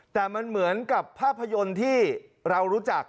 แต่มันเหมือนกับภาพยนตร์ที่เรารู้จัก